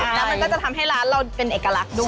แล้วมันก็จะทำให้ร้านเราเป็นเอกลักษณ์ด้วย